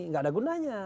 tidak ada gunanya